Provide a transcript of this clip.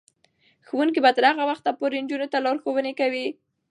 ښوونکې به تر هغه وخته پورې نجونو ته لارښوونې کوي.